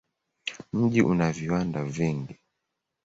Mji una viwanda vingi.